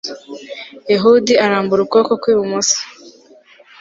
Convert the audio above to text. ehudi arambura ukuboko kw'ibumoso